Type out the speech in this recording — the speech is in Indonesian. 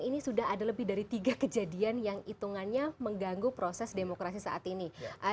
ini sudah ada lebih dari tiga kejadian yang hitungannya mengganggu proses demokrasi saat ini